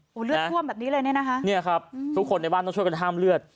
โอ้โหเลือดท่วมแบบนี้เลยเนี่ยนะคะเนี่ยครับทุกคนในบ้านต้องช่วยกันห้ามเลือด